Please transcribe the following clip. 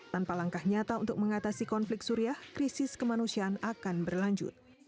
tanpa langkah nyata untuk mengatasi konflik suriah krisis kemanusiaan akan berlanjut